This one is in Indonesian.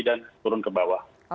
dan turun ke bawah